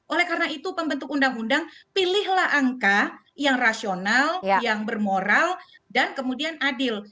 oleh karena itu pembentuk undang undang pilihlah angka yang rasional yang bermoral dan kemudian adil